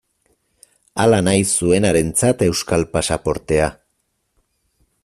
Hala nahi zuenarentzat euskal pasaportea.